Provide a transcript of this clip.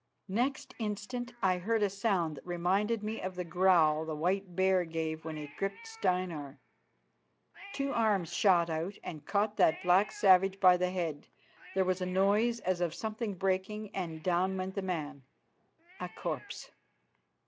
Next instant I heard a sound that reminded me of the growl the white bear gave when it gripped Steinar. Two arms shot out and caught that black savage by the head. There was a noise as of something breaking, and down went the man a corpse.